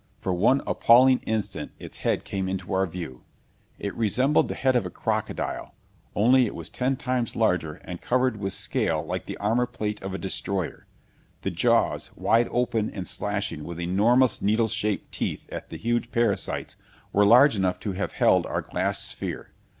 For one appalling instant its head came into our view.... It resembled the head of a crocodile, only it was ten times larger and covered with scale like the armor plate of a destroyer. The jaws, wide open and slashing with enormous, needle shaped teeth at the huge parasites, were large enough to have held our glass sphere.